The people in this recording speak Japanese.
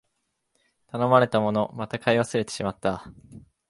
頼まれたもの、また買い忘れてしまった